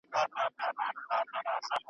د سلطنت په وخت کي چاپېریال نسبتاً پرانیستی و.